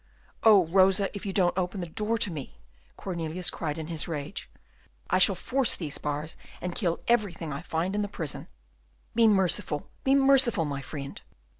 "Oh, Rosa, if you don't open the door to me," Cornelius cried in his rage, "I shall force these bars, and kill everything I find in the prison." "Be merciful, be merciful, my friend!"